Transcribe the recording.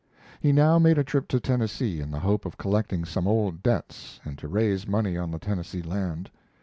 He now made a trip to Tennessee in the hope of collecting some old debts and to raise money on the Tennessee land.